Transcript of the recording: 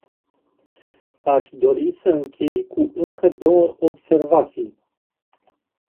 Aș dori să închei cu încă două observații.